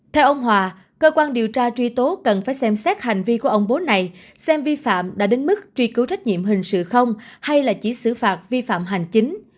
theo ông hòa cơ quan điều tra truy tố cần phải xem xét hành vi của ông bố này xem vi phạm đã đến mức truy cứu trách nhiệm hình sự không hay là chỉ xử phạt vi phạm hành chính